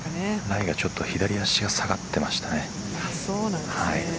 ライがちょっと左足が下がっていました。